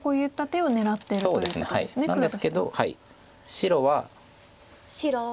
白は。